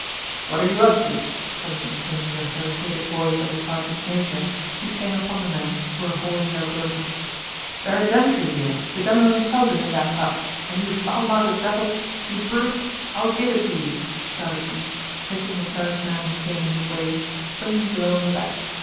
"What are you up to?" suddenly came the authoritative voice of a sergeant major who came upon the men who were hauling their burden. "There are gentry here; the general himself is in that hut, and you foul mouthed devils, you brutes, I'll give it to you!" shouted he, hitting the first man who came in his way a swinging blow on the back.